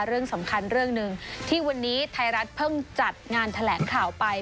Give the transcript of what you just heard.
เรื่องสำคัญเรื่องหนึ่งที่วันนี้ไทยรัฐเพิ่งจัดงานแถลงข่าวไป